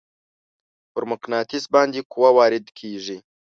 پر مقناطیس باندې قوه وارد کیږي.